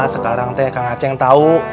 sekarang kak nga ceng tahu